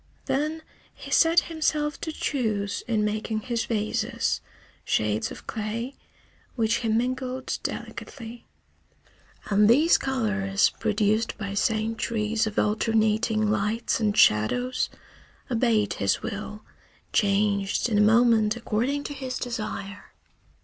Then he set himself to choose, in making his vases, shades of clay, which he mingled delicately. And these colors, produced by centuries of alternating lights and shadows, obeyed his will, changed in a moment according to his desire.